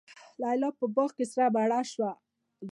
لیلی په باغ کي سره مڼه شوه